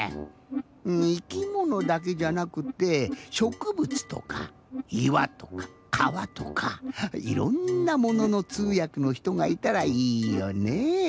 いきものだけじゃなくってしょくぶつとかいわとかかわとかいろんなもののつうやくのひとがいたらいいよね。